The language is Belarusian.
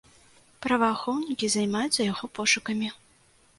Праваахоўнікі займаюцца яго пошукамі.